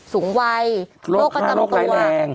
สูงวัยโรคประจำตัวโรคห้าร้ายแรง